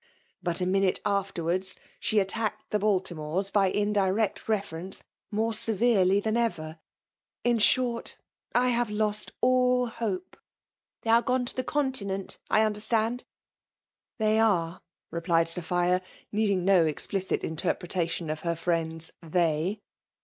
But a minute afterwards, she at* tacked the Baltimores, by indirect reference, more severely than ever. In short, I have lost all hope !*' FMALK MfOMlVJLTlOV. 87 " Hiey are gone to the contbieat, I uftder «taiid?" "They axef repUed Sophia, needing m explicit irtearpTetation of her frieiid's "they!"